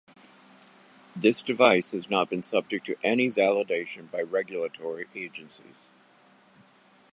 This device has not been subject to any validation by regulatory agencies.